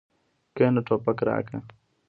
کېنه ټوپک راکړه.